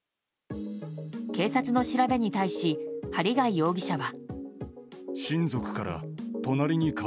警察の調べに対し針谷容疑者は。